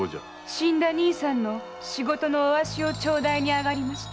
死んだ兄さんの仕事のおあしを頂戴に上がりました。